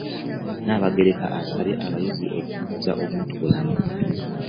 Nnaabagereka asabye abayizi okunyweza obuntubulamu